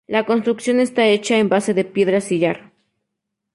La construcción esta hecha en base de piedra sillar.